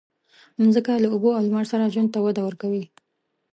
مځکه له اوبو او لمر سره ژوند ته وده ورکوي.